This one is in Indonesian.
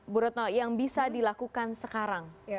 burutno yang bisa dilakukan sekarang